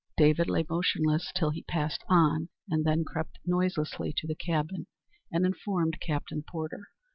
David lay motionless till he passed on, and then crept noiselessly to the cabin, and informed Captain Porter.